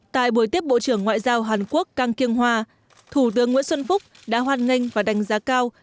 tại buổi tiếp bộ trưởng ngoại giao hàn quốc căng kiêng hòa thủ tướng nguyễn xuân phúc đã hoan nghênh và đánh giá cao